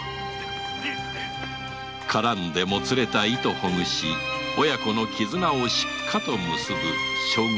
絡んでもつれた糸ほぐし親子の絆をしっかと結ぶ将軍